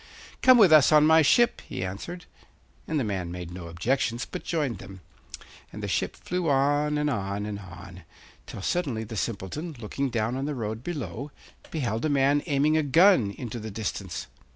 'Come with us on my ship,' he answered; and the man made no objections, but joined them; and the ship flew on, and on, and on, till suddenly the Simpleton, looking down on the road below, beheld a man aiming with a gun into the distance.